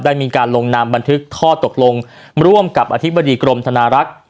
ได้มีการลงนามบันทึกข้อตกลงร่วมกับอธิบดีกรมธนารักษ์